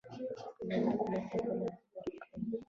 هیلي سلاسي خپل هېواد ته راستون شو.